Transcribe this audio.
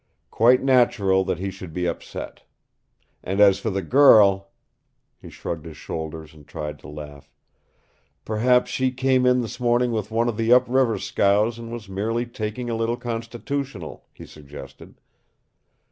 Quite natural that he should be upset. And as for the girl " He shrugged his shoulders and tried to laugh. "Perhaps she came in this morning with one of the up river scows and was merely taking a little constitutional," he suggested.